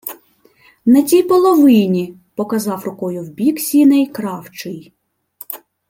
— На тій половині, — показав рукою в бік сіней кравчий.